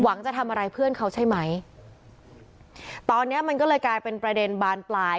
จะทำอะไรเพื่อนเขาใช่ไหมตอนเนี้ยมันก็เลยกลายเป็นประเด็นบานปลาย